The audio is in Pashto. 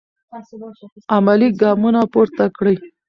عملي ګامونه پورته کړئ.